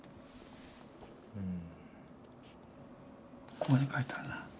ここに書いてあるな。